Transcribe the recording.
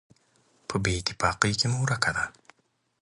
په بېاتفاقۍ کې مو ورکه ده.